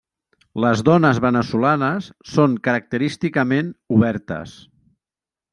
Les dones veneçolanes són característicament obertes.